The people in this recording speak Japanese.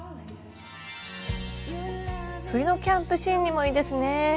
冬のキャンプシーンにもいいですねぇ。